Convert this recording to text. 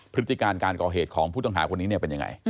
พฤติการการก่อเหตุของผู้ต้องหาคนนี้เป็นยังไง